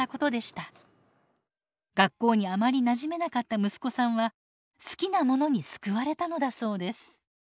学校にあまりなじめなかった息子さんは好きなものに救われたのだそうです。